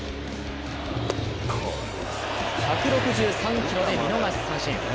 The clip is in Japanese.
１６３キロで見逃し三振。